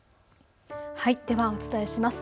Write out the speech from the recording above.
ではお伝えします。